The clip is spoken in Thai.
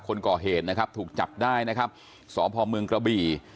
คนก่อเหตุนะครับถูกจับได้นะครับสพเมืองกระบี่